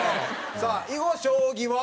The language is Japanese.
さあ囲碁将棋は？